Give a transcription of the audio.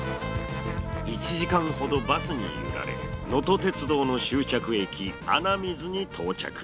１時間ほどバスに揺られのと鉄道の終着駅穴水に到着。